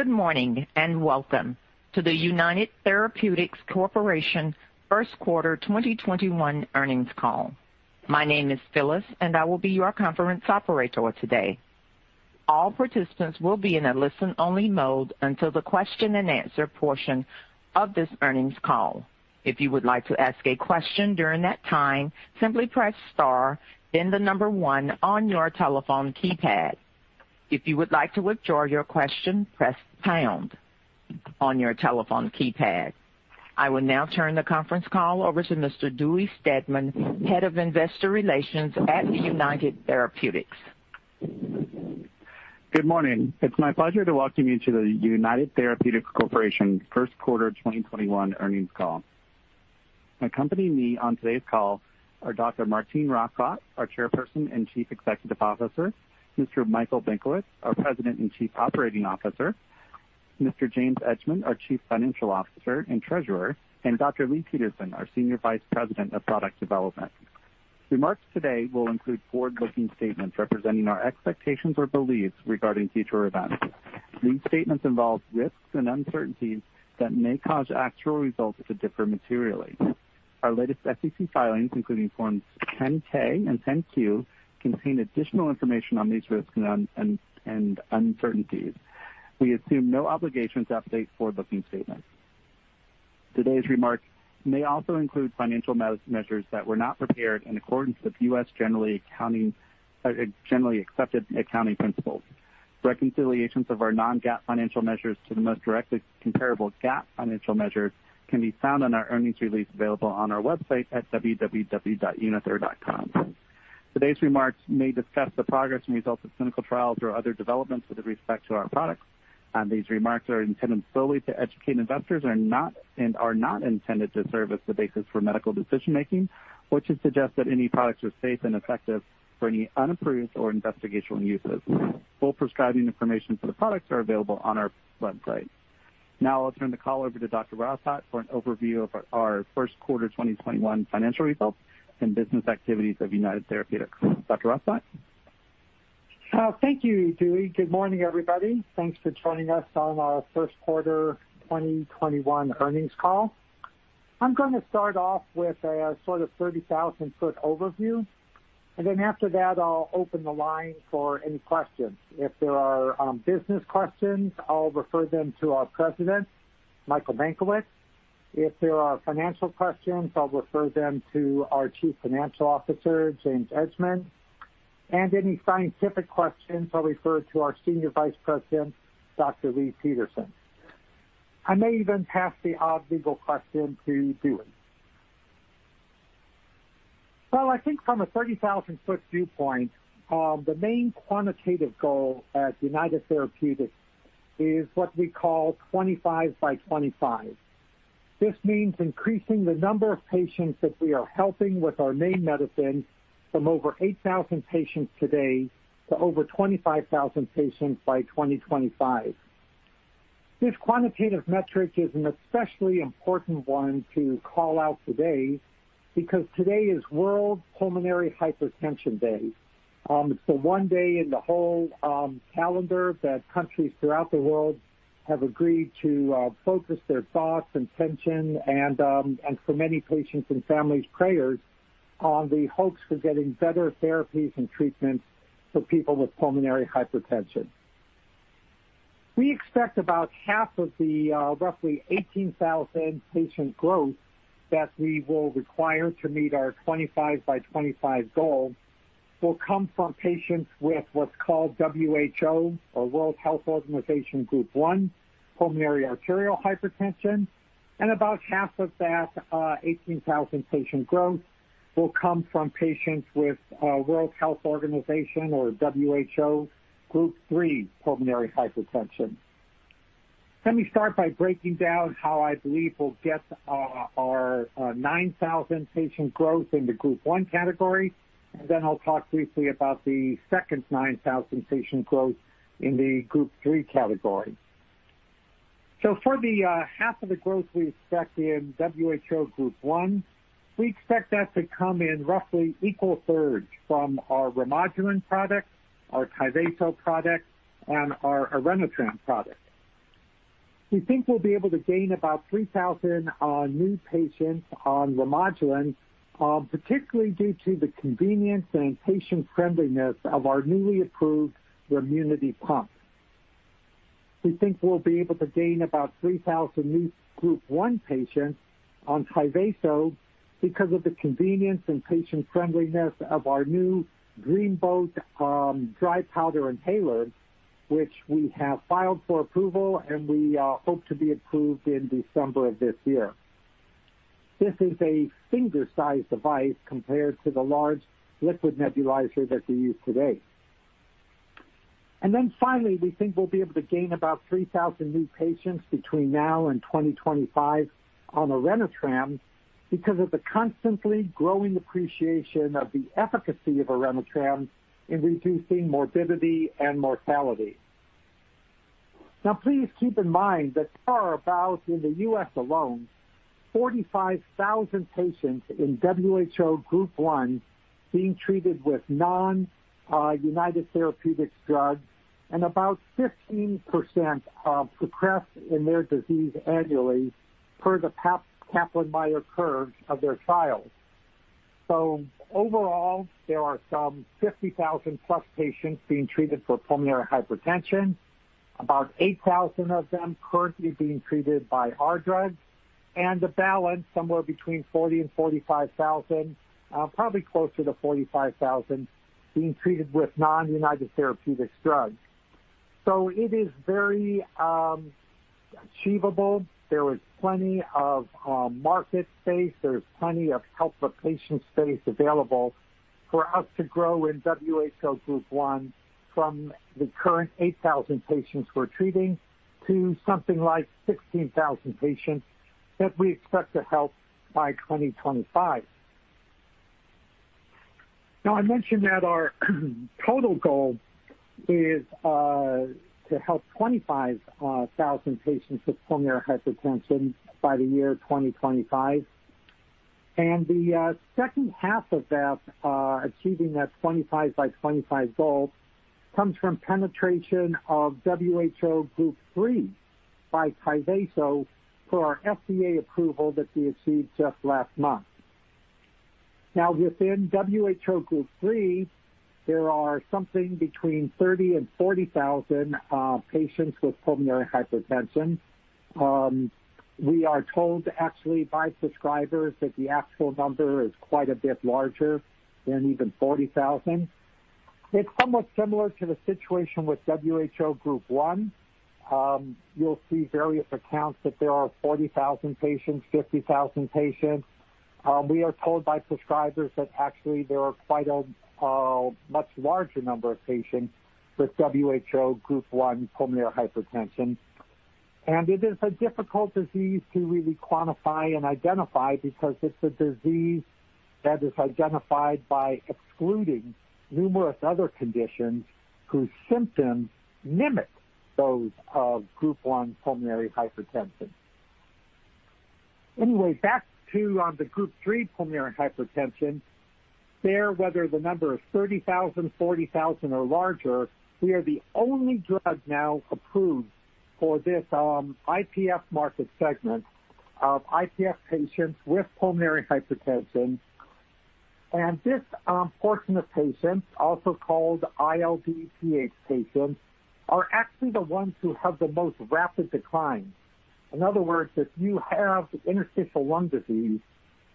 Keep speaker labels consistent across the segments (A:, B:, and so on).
A: Good morning, and welcome to the United Therapeutics Corporation First Quarter 2021 Earnings Call. My name is Phyllis, and I will be your conference operator today. All participants will be in a listen-only mode until the question and answer portion of this earnings call. If you would like to ask a question during that time, simply press star and the number one on your telephone keypad. If you would like to withdraw your question, press pound on your telephone keypad. I will now turn the conference call over to Mr. Dewey Steadman, Head of Investor Relations at United Therapeutics.
B: Good morning. It's my pleasure to welcome you to the United Therapeutics Corporation First Quarter 2021 Earnings Call. Accompanying me on today's call are Dr. Martine Rothblatt, our Chairperson and Chief Executive Officer, Mr. Michael Benkowitz, our President and Chief Operating Officer, Mr. James Edgemond, our Chief Financial Officer and Treasurer, and Dr. Leigh Peterson, our Senior Vice President of Product Development. Remarks today will include forward-looking statements representing our expectations or beliefs regarding future events. These statements involve risks and uncertainties that may cause actual results to differ materially. Our latest SEC filings, including Forms 10-K and 10-Q, contain additional information on these risks and uncertainties. We assume no obligation to update forward-looking statements. Today's remarks may also include financial measures that were not prepared in accordance with U.S. generally accepted accounting principles. Reconciliations of our non-GAAP financial measures to the most directly comparable GAAP financial measures can be found on our earnings release, available on our website at www.unither.com. Today's remarks may discuss the progress and results of clinical trials or other developments with respect to our products. These remarks are intended solely to educate investors and are not intended to serve as the basis for medical decision-making or to suggest that any products are safe and effective for any unapproved or investigational uses. Full prescribing information for the products are available on our website. Now I'll turn the call over to Dr. Rothblatt for an overview of our first quarter 2021 financial results and business activities of United Therapeutics. Dr. Rothblatt?
C: Thank you, Dewey. Good morning, everybody. Thanks for joining us on our first quarter 2021 earnings call. I'm going to start off with a sort of 30,000-foot overview, and then after that, I'll open the line for any questions. If there are business questions, I'll refer them to our President, Michael Benkowitz. If there are financial questions, I'll refer them to our Chief Financial Officer, James Edgemond. And any scientific questions, I'll refer to our Senior Vice President, Dr. Leigh Peterson. I may even pass the odd legal question to Dewey. Well, I think from a 30,000-foot viewpoint, the main quantitative goal at United Therapeutics is what we call 25 by 25. This means increasing the number of patients that we are helping with our main medicine from over 8,000 patients today to over 25,000 patients by 2025. This quantitative metric is an especially important one to call out today because today is World Pulmonary Hypertension Day. It's the one day in the whole calendar that countries throughout the world have agreed to focus their thoughts, attention, and for many patients and families, prayers, on the hopes for getting better therapies and treatments for people with pulmonary hypertension. We expect about half of the roughly 18,000 patient growth that we will require to meet our 25 by 25 goal will come from patients with what's called WHO or World Health Organization Group 1, pulmonary arterial hypertension, and about half of that 18,000 patient growth will come from patients with World Health Organization or WHO Group 3 pulmonary hypertension. Let me start by breaking down how I believe we'll get our 9,000 patient growth in the Group 1 category, and then I'll talk briefly about the second 9,000 patient growth in the Group 3 category. For the half of the growth we expect in WHO Group 1, we expect that to come in roughly equal thirds from our Remodulin product, our TYVASO product, and our Orenitram product. We think we'll be able to gain about 3,000 new patients on Remodulin, particularly due to the convenience and patient-friendliness of our newly approved Remunity Pump. We think we'll be able to gain about 3,000 new Group 1 patients on TYVASO because of the convenience and patient-friendliness of our new Dreamboat dry powder inhaler, which we have filed for approval and we hope to be approved in December of this year. This is a finger-sized device compared to the large liquid nebulizer that we use today. Finally, we think we'll be able to gain about 3,000 new patients between now and 2025 on Orenitram because of the constantly growing appreciation of the efficacy of Orenitram in reducing morbidity and mortality. Now, please keep in mind that there are, in the U.S. alone, 45,000 patients in WHO Group 1 being treated with non-United Therapeutics drugs, and about 15% progress in their disease annually per the Kaplan-Meier curves of their trials. Overall, there are some 50,000-plus patients being treated for pulmonary hypertension, about 8,000 of them currently being treated by our drugs, and the balance, somewhere between 40,000 and 45,000, probably closer to 45,000, being treated with non-United Therapeutics drugs. It is very achievable. There is plenty of market space. There's plenty of health of patient space available for us to grow in WHO Group 1 from the current 8,000 patients we're treating to something like 16,000 patients that we expect to help by 2025. Now, I mentioned that our total goal is to help 25,000 patients with pulmonary hypertension by the year 2025. The second half of that, achieving that 25 by 25 goal, comes from penetration of WHO Group 3 by Tyvaso for our FDA approval that we achieved just last month. Now, within WHO Group 3, there are something between 30,000 and 40,000 patients with pulmonary hypertension. We are told, actually, by prescribers that the actual number is quite a bit larger than even 40,000. It's almost similar to the situation with WHO Group 1. You'll see various accounts that there are 40,000 patients, 50,000 patients. We are told by prescribers that actually, there are quite a much larger number of patients with WHO Group 1 pulmonary hypertension. It is a difficult disease to really quantify and identify because it's a disease that is identified by excluding numerous other conditions whose symptoms mimic those of Group 1 pulmonary hypertension. Anyway, back to the Group 3 pulmonary hypertension. There, whether the number is 30,000, 40,000, or larger, we are the only drug now approved for this IPF market segment of IPF patients with pulmonary hypertension. This portion of patients, also called PH-ILD patients, are actually the ones who have the most rapid decline. In other words, if you have interstitial lung disease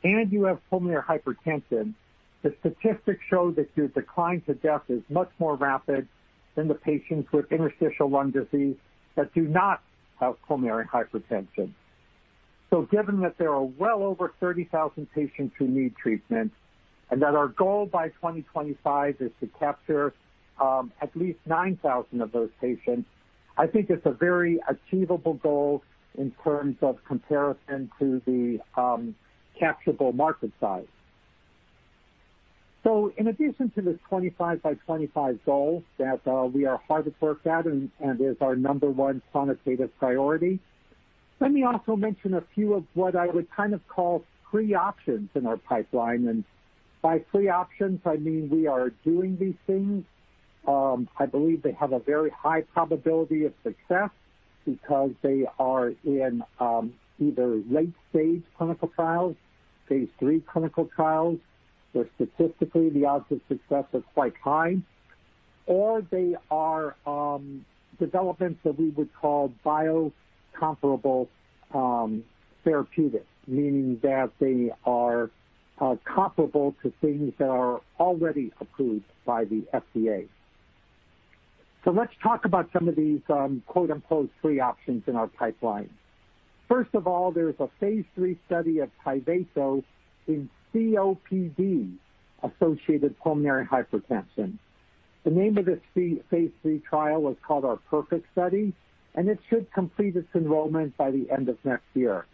C: and you have pulmonary hypertension, the statistics show that your decline to death is much more rapid than the patients with interstitial lung disease that do not have pulmonary hypertension. Given that there are well over 30,000 patients who need treatment and that our goal by 2025 is to capture at least 9,000 of those patients, I think it's a very achievable goal in terms of comparison to the capturable market size. In addition to the 25 by 25 goal that we are hard at work at and is our number one quantitative priority, let me also mention a few of what I would call pre-options in our pipeline. By pre-options, I mean we are doing these things. I believe they have a very high probability of success because they are in either late-stage clinical trials, phase III clinical trials, where statistically the odds of success are quite high, or they are developments that we would call bio-comparable therapeutics. Meaning that they are comparable to things that are already approved by the FDA. Let's talk about some of these "pre-options" in our pipeline. First of all, there's a phase III study of TYVASO in COPD-associated pulmonary hypertension. The name of this phase III trial is called our PERFECT study, and it should complete its enrollment by the end of next year.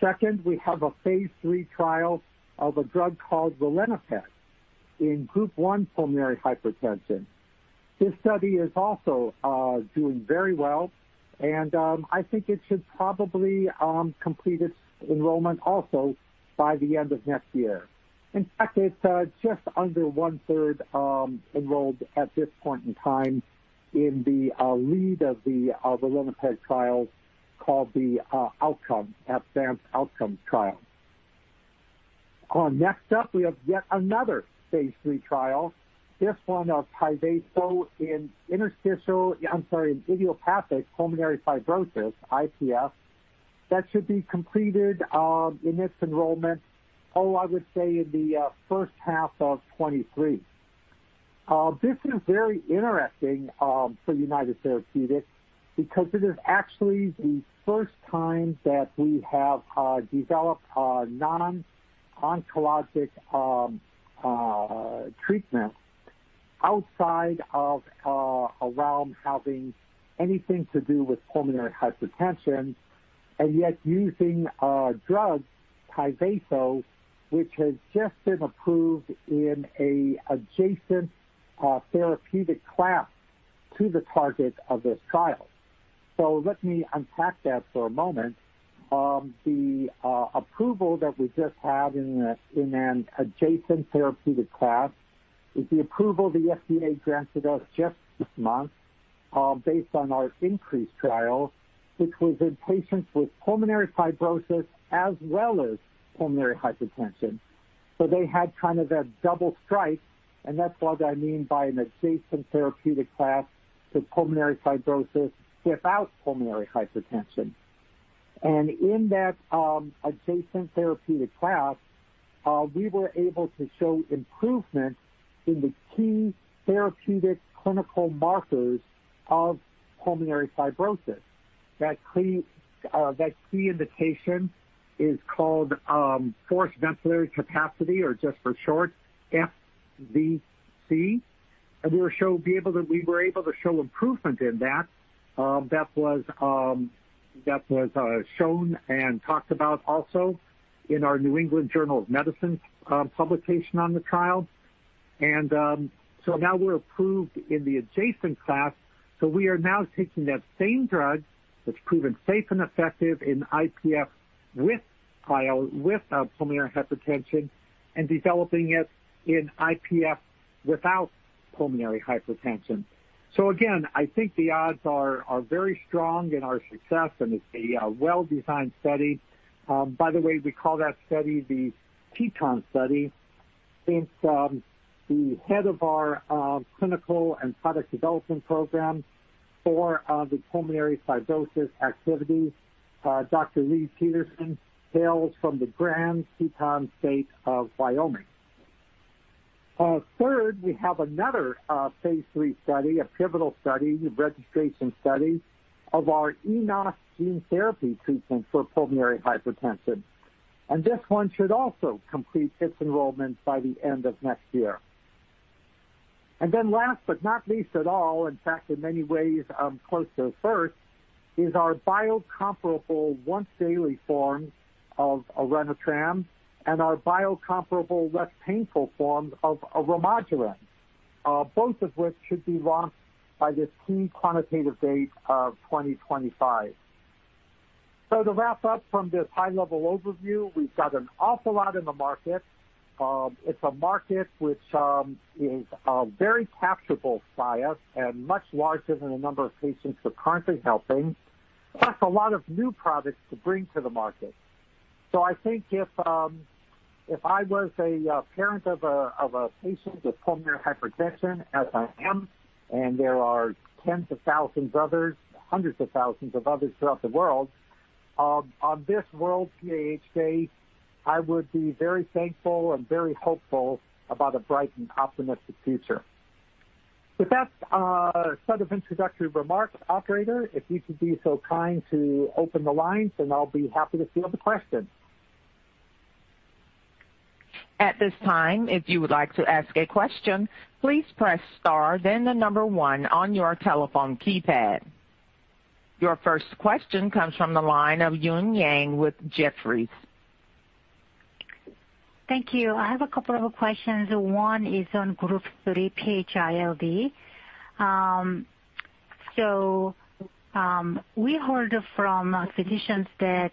C: Second, we have a phase III trial of a drug called ralinepag in Group 1 pulmonary hypertension. This study is also doing very well, and I think it should probably complete its enrollment also by the end of next year. In fact, it's just under one-third enrolled at this point in time in the lead of the Ralinepag trials called the ADVANCE OUTCOMES study. Next up, we have yet another phase III trial, this one of Tyvaso in idiopathic pulmonary fibrosis, IPF, that should be completed in its enrollment in the first half of 2023. This is very interesting for United Therapeutics because it is actually the first time that we have developed a non-oncologic treatment outside of a realm having anything to do with pulmonary hypertension. Yet using a drug, Tyvaso, which has just been approved in an adjacent therapeutic class to the target of this trial. Let me unpack that for a moment. The approval that we just had in an adjacent therapeutic class is the approval the FDA granted us just this month based on our INCREASE trial, which was in patients with pulmonary fibrosis as well as pulmonary hypertension. They had kind of a double strike, an adjacent therapeutic class to pulmonary fibrosis without pulmonary hypertension. In that adjacent therapeutic class, we were able to show improvement in the key therapeutic clinical markers of pulmonary fibrosis. That key indication is called forced vital capacity, or just for short, FVC. We were able to show improvement in that. That was shown and talked about also in our New England Journal of Medicine publication on the trial. Now we're approved in the adjacent class. We are now taking that same drug that's proven safe and effective in IPF with pulmonary hypertension, and developing it in IPF without pulmonary hypertension. I think the odds are very strong in our success, and it's a well-designed study. By the way, we call that study the TETON study. Since the head of our clinical and product development program for the pulmonary fibrosis activities, Dr. Leigh Peterson, hails from the Grand Teton State of Wyoming. Third, we have another phase III study, a pivotal study, registration study of our eNOS gene therapy treatment for pulmonary hypertension. This one should also complete its enrollment by the end of next year. Last but not least at all, in fact, in many ways, close to first, is our bio-comparable once daily form of Orenitram and our bio-comparable, less painful form of Remodulin, both of which should be launched by this key quantitative date of 2025. To wrap up from this high-level overview, we've got an awful lot in the market. It's a market which is very capturable by us and much larger than the number of patients we're currently helping, plus a lot of new products to bring to the market. I think if I was a parent of a patient with pulmonary hypertension, as I am, and there are tens of thousands of others, hundreds of thousands of others throughout the world. On this World PH Day, I would be very thankful and very hopeful about a bright and optimistic future. With that said of introductory remarks, operator, if you could be so kind to open the lines, and I'll be happy to field the questions.
A: Your first question comes from the line of Eun Yang with Jefferies.
D: Thank you. I have a couple of questions. One is on Group 3 PH-ILD. We heard from physicians that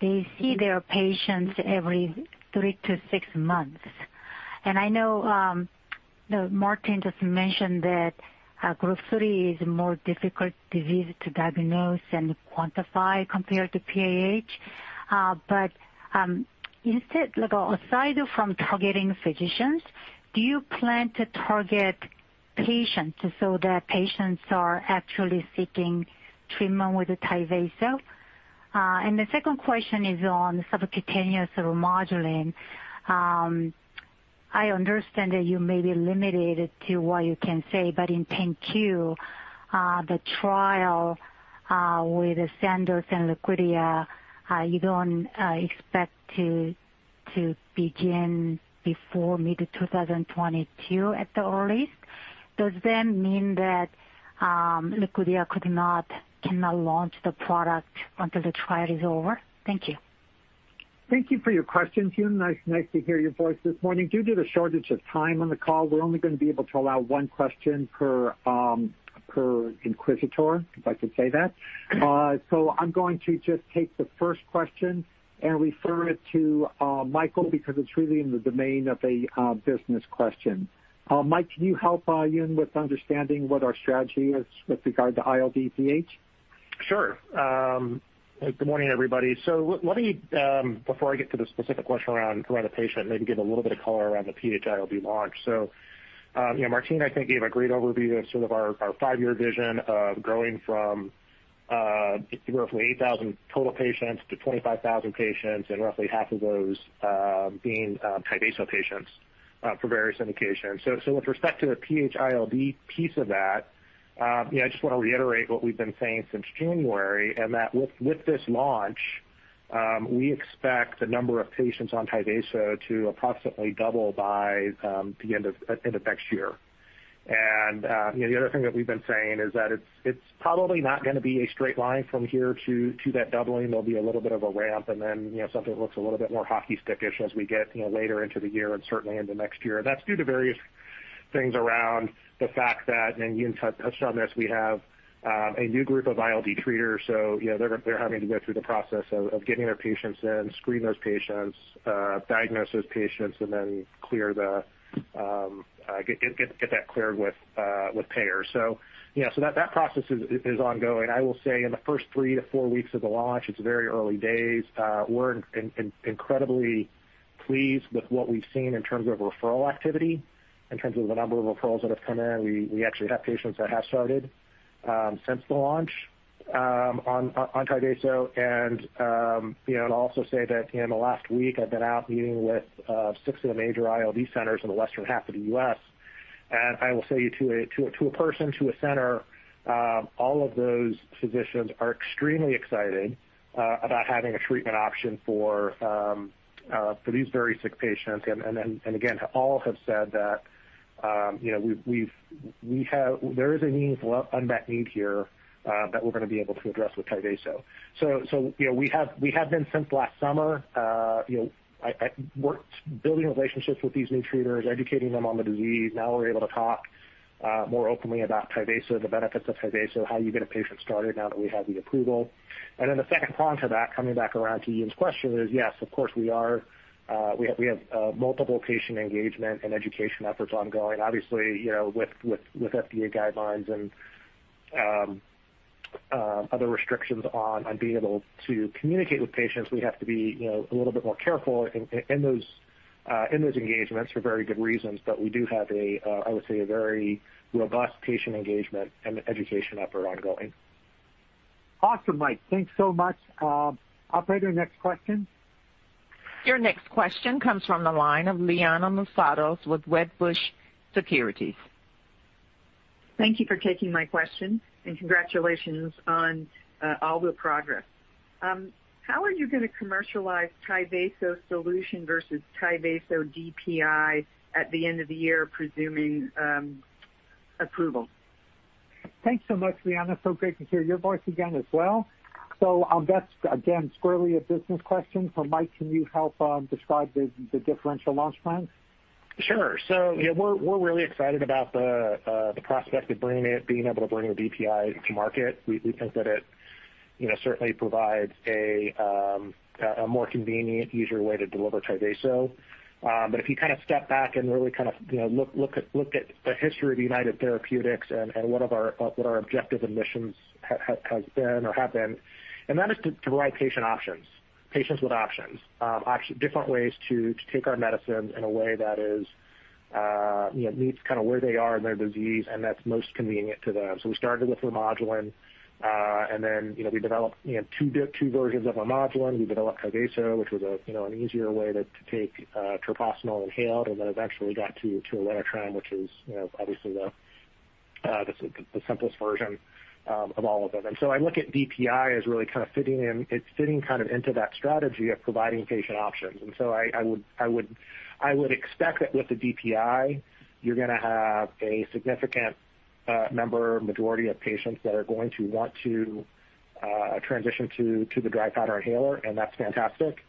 D: they see their patients every three to six months. I know Martine just mentioned that Group 3 is a more difficult disease to diagnose and quantify compared to PH. Instead, aside from targeting physicians, do you plan to target patients so that patients are actually seeking treatment with TYVASO? The second question is on subcutaneous Remodulin. I understand that you may be limited to what you can say, but in 10-Q, the trial with Sandoz and Liquidia, you don't expect to begin before mid-2022 at the earliest. Does that mean that Liquidia cannot launch the product until the trial is over? Thank you.
C: Thank you for your questions, Eun Yang. Nice to hear your voice this morning. Due to the shortage of time on the call, we're only going to be able to allow one question per inquisitor, if I could say that. I'm going to just take the first question and refer it to Michael because it's really in the domain of a business question. Mike, can you help Eun Yang with understanding what our strategy is with regard to PH-ILD?
E: Sure. Good morning, everybody. Let me, before I get to the specific question around the patient, maybe give a little bit of color around the PH-ILD launch. Martine, I think gave a great overview of sort of our five-year vision of growing from roughly 8,000 total patients to 25,000 patients, and roughly half of those being TYVASO patients for various indications. With respect to the PH-ILD piece of that, I just want to reiterate what we've been saying since January, and that with this launch. We expect the number of patients on TYVASO to approximately double by the end of next year. The other thing that we've been saying is that it's probably not going to be a straight line from here to that doubling. There'll be a little bit of a ramp and then something that looks a little bit more hockey stick-ish as we get later into the year and certainly into next year. That's due to various things around the fact that, and Eun touched on this, we have a new group of ILD treaters. They're having to go through the process of getting their patients in, screening those patients, diagnose those patients, and then get that cleared with payers. That process is ongoing. I will say in the first three to four weeks of the launch, it's very early days. We're incredibly pleased with what we've seen in terms of referral activity, in terms of the number of referrals that have come in. We actually have patients that have started since the launch on TYVASO. I'll also say that in the last week, I've been out meeting with six of the major ILD centers in the western half of the U.S. I will say to a person, to a center, all of those physicians are extremely excited about having a treatment option for these very sick patients. Again, all have said that there is an unmet need here that we're going to be able to address with TYVASO. We have been since last summer. I worked building relationships with these new treaters, educating them on the disease. Now we're able to talk more openly about TYVASO, the benefits of TYVASO, how you get a patient started now that we have the approval. The second prong to that, coming back around to Eun's question, is yes, of course we are. We have multiple patient engagement and education efforts ongoing. With FDA guidelines and other restrictions on being able to communicate with patients, we have to be a little bit more careful in those engagements for very good reasons. We do have, I would say, a very robust patient engagement and education effort ongoing.
C: Awesome, Mike. Thanks so much. Operator, next question.
A: Your next question comes from the line of Liana Moussatos with Wedbush Securities.
F: Thank you for taking my question, congratulations on all the progress. How are you going to commercialize TYVASO solution versus Tyvaso DPI at the end of the year, presuming approval?
C: Thanks so much, Liana. Great to hear your voice again as well. That's, again, squarely a business question. Mike, can you help describe the differential launch plans?
E: Sure. We're really excited about the prospect of being able to bring the DPI to market. If you step back and really look at the history of United Therapeutics and what our objective and missions have been, and that is to provide patient options. Patients with options. Different ways to take our medicines in a way that meets where they are in their disease and that's most convenient to them. We started with Remodulin, and then we developed two versions of Remodulin. We developed TYVASO, which was an easier way to take treprostinil inhaled, and then eventually got to Orenitram, which is obviously the simplest version of all of them. I look at DPI as really fitting into that strategy of providing patient options. I would expect that with the DPI, you're going to have a significant member majority of patients that are going to want to transition to the dry powder inhaler, and that's fantastic.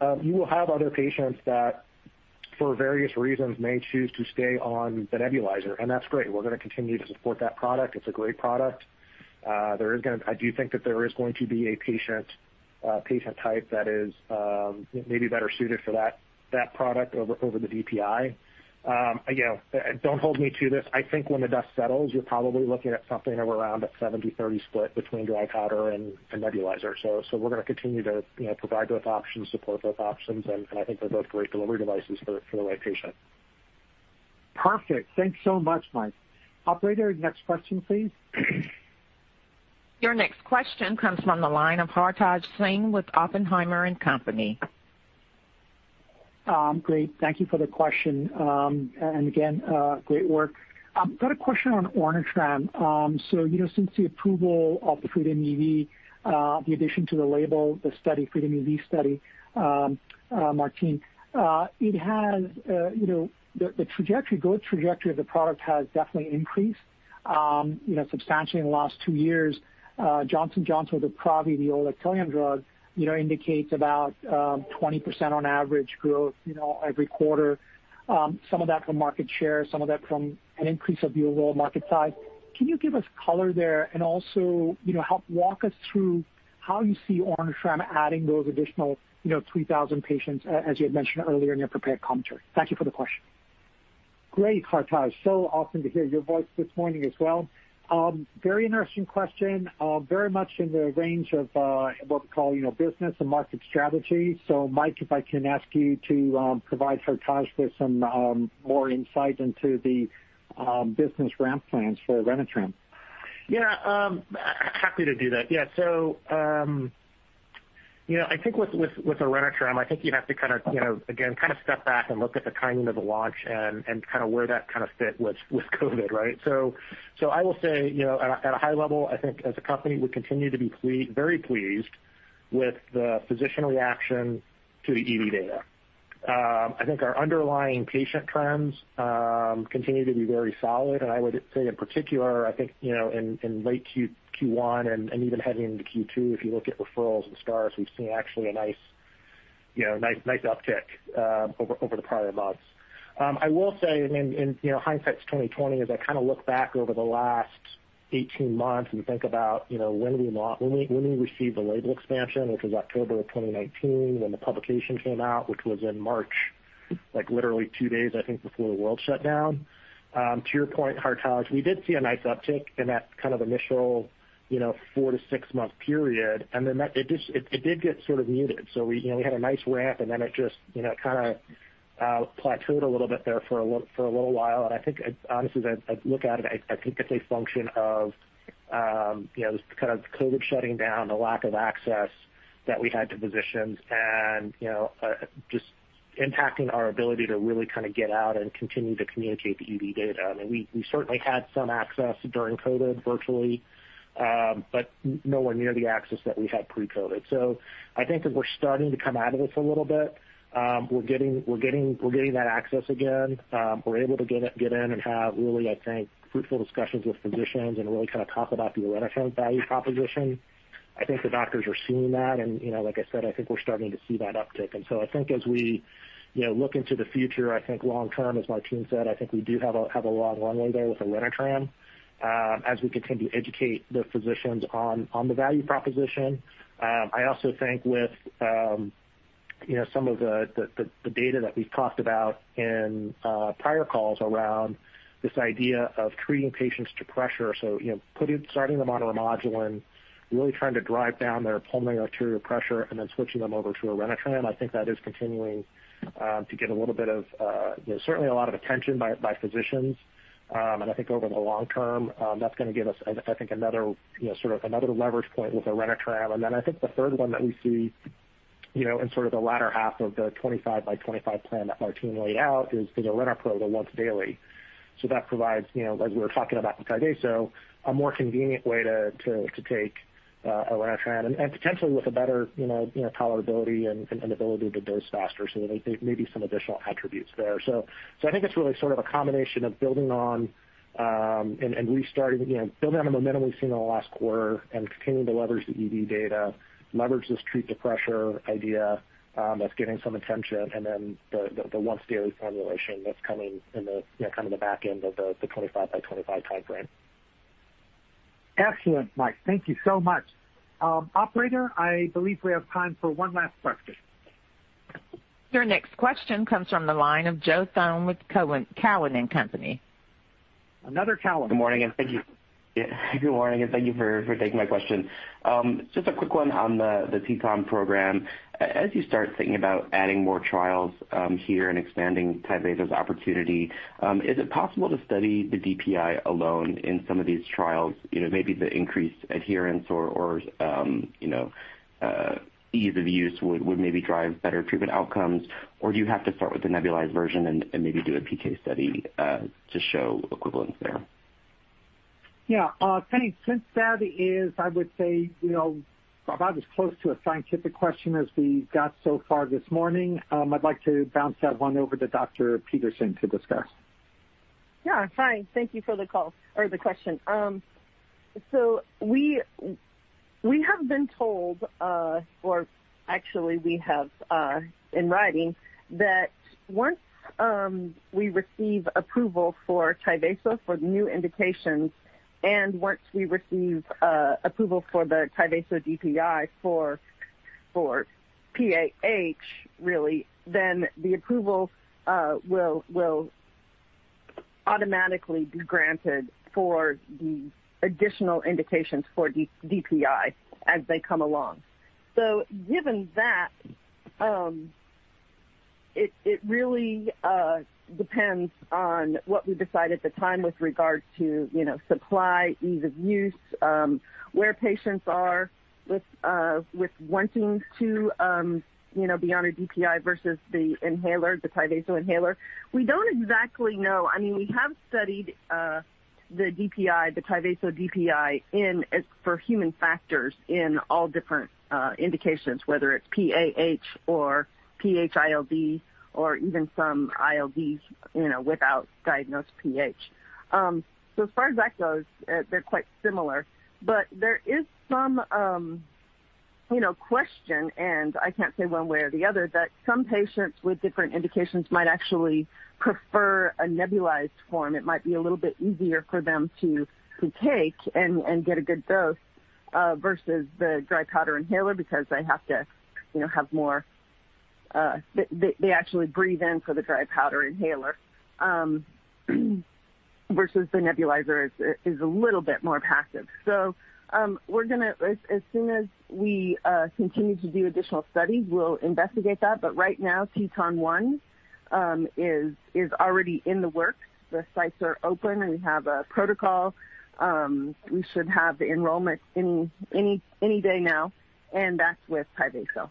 E: You will have other patients that, for various reasons, may choose to stay on the nebulizer, and that's great. We're going to continue to support that product. It's a great product. I do think that there is going to be a patient type that is maybe better suited for that product over the DPI. Don't hold me to this. I think when the dust settles, you're probably looking at something around a 70/30 split between dry powder and nebulizer. We're going to continue to provide both options, support both options, and I think they're both great delivery devices for the right patient.
C: Perfect. Thanks so much, Mike. Operator, next question, please.
A: Your next question comes from the line of Hartaj Singh with Oppenheimer and Company.
G: Great. Thank you for the question. Again, great work. Got a question on Orenitram. Since the approval of the FREEDOM-EV, the addition to the label, the study, FREEDOM-EV study, Martine, the trajectory, growth trajectory of the product has definitely increased substantially in the last two years. Johnson & Johnson with Uptravi, the selexipag drug, indicates about 20% on average growth every quarter. Some of that from market share, some of that from an increase of the overall market size. Can you give us color there and also help walk us through how you see Orenitram adding those additional 3,000 patients, as you had mentioned earlier in your prepared commentary? Thank you for the question.
C: Great, Hartaj. Awesome to hear your voice this morning as well. Very interesting question. Very much in the range of what we call business and market strategy. Mike, if I can ask you to provide Hartaj with some more insight into the business ramp plans for Orenitram.
E: Yeah. Happy to do that. Yeah. I think with Orenitram, you have to, again, step back and look at the timing of the launch and where that fit with COVID, right? I will say at a high level, I think as a company, we continue to be very pleased with the physician reaction to the EV data. I think our underlying patient trends continue to be very solid. I would say in particular, I think, in late Q1 and even heading into Q2, if you look at referrals and starts, we've seen actually a nice uptick over the prior months. I will say, hindsight is 2020, as I look back over the last 18 months and think about when we received the label expansion, which was October of 2019, when the publication came out, which was in March, like literally two days, I think, before the world shut down. To your point, Hartaj, we did see a nice uptick in that initial four to six-month period, and then it did get sort of muted. We had a nice ramp and then it just plateaued a little bit there for a little while, and I think, honestly, as I look at it, I think it's a function of just because of COVID shutting down, the lack of access that we had to physicians and just impacting our ability to really get out and continue to communicate the EV data. I mean, we certainly had some access during COVID virtually, but nowhere near the access that we had pre-COVID. I think as we're starting to come out of this a little bit, we're getting that access again. We're able to get in and have really, I think, fruitful discussions with physicians and really talk about the Orenitram value proposition. I think the doctors are seeing that, and like I said, I think we're starting to see that uptick. I think as we look into the future, I think long-term, as Martine said, I think we do have a long runway there with Orenitram as we continue to educate the physicians on the value proposition. I also think with some of the data that we've talked about in prior calls around this idea of treating patients to pressure. Starting them on Remodulin, really trying to drive down their pulmonary arterial pressure and then switching them over to Orenitram, I think that is continuing to get certainly a lot of attention by physicians. I think over the long term, that's going to give us, I think, another sort of leverage point with Orenitram. Then I think the third one that we see in sort of the latter half of the 25 by 25 plan that Martine laid out is the RemoPro, the once-daily. That provides, like we were talking about with Tyvaso, a more convenient way to take Orenitram, and potentially with a better tolerability and ability to dose faster. There may be some additional attributes there. I think it's really sort of a combination of building on the momentum we've seen in the last quarter and continuing to leverage the EV data, leverage this treat to pressure idea that's getting some attention, and then the once-daily formulation that's coming in the back end of the 25 by 25 timeframe.
C: Excellent, Mike. Thank you so much. Operator, I believe we have time for one last question.
A: Your next question comes from the line of Joe Thome with Cowen and Company.
C: Another Cowen.
H: Good morning. Thank you for taking my question. Just a quick one on the TETON program. As you start thinking about adding more trials here and expanding Tyvaso's opportunity, is it possible to study the DPI alone in some of these trials? Maybe the increased adherence or ease of use would maybe drive better treatment outcomes, or do you have to start with the nebulized version and maybe do a PK study to show equivalence there?
C: Yeah. Okay, since that is, I would say, about as close to a scientific question as we got so far this morning, I'd like to bounce that one over to Dr. Peterson to discuss.
I: Yeah, fine. Thank you for the call or the question. We have been told or actually we have in writing that once we receive approval for TYVASO for new indications, and once we receive approval for the TYVASO DPI for PAH, really, then the approval will automatically be granted for the additional indications for DPI as they come along. Given that, it really depends on what we decide at the time with regards to supply, ease of use, where patients are with wanting to be on a DPI versus the TYVASO inhaler. We don't exactly know. I mean, we have studied the TYVASO DPI for human factors in all different indications, whether it's PAH or PH-ILD or even some ILDs without diagnosed PH. As far as that goes, they're quite similar, but there is some question, and I can't say one way or the other, that some patients with different indications might actually prefer a nebulized form. It might be a little bit easier for them to take and get a good dose versus the dry powder inhaler because they actually breathe in for the dry powder inhaler, versus the nebulizer is a little bit more passive. As soon as we continue to do additional studies, we'll investigate that. Right now, TETON 1 is already in the works. The sites are open, and we have a protocol. We should have the enrollment any day now, and that's with TYVASO.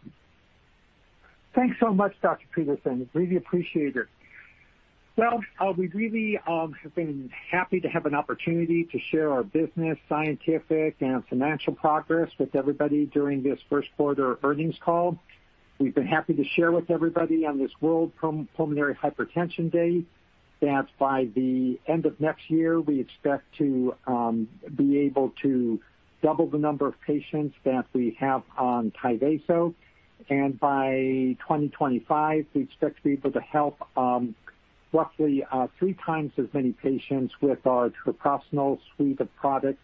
C: Thanks so much, Dr. Peterson. Really appreciate it. Well, we really have been happy to have an opportunity to share our business, scientific, and financial progress with everybody during this first quarter earnings call. We've been happy to share with everybody on this World Pulmonary Hypertension Day that by the end of next year, we expect to be able to double the number of patients that we have on Tyvaso. By 2025, we expect to be able to help roughly three times as many patients with our treprostinil suite of products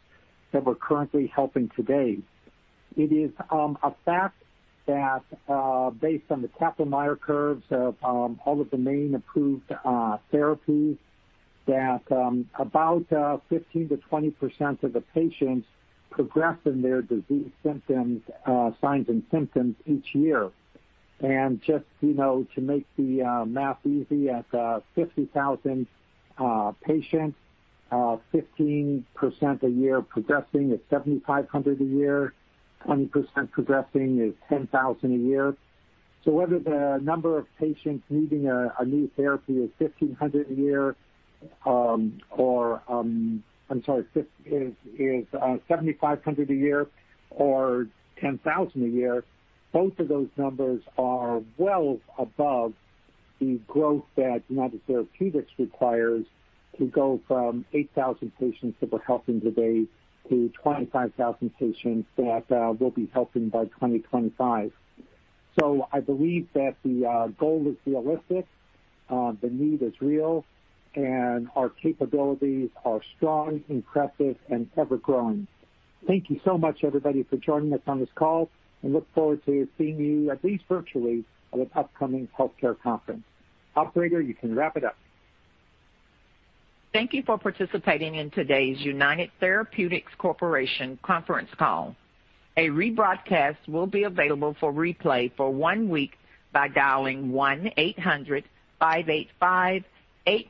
C: that we're currently helping today. It is a fact that based on the Kaplan-Meier curves of all of the main approved therapies, that about 15%-20% of the patients progress in their disease signs and symptoms each year. Just to make the math easy, at 50,000 patients, 15% a year progressing is 7,500 a year, 20% progressing is 10,000 a year. Whether the number of patients needing a new therapy is 7,500 a year or 10,000 a year, both of those numbers are well above the growth that United Therapeutics requires to go from 8,000 patients that we're helping today to 25,000 patients that we'll be helping by 2025. I believe that the goal is realistic, the need is real, and our capabilities are strong, impressive, and ever-growing. Thank you so much, everybody, for joining us on this call, and look forward to seeing you at least virtually at an upcoming healthcare conference. Operator, you can wrap it up.
A: Thank you for participating in today's United Therapeutics Corporation conference call. A rebroadcast will be available for replay for one week by dialing 1-800-585-8367. With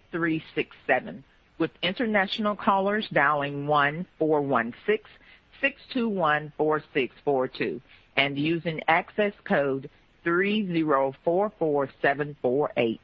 A: international callers dialing 1-416-621-4642 and using access code 3044748.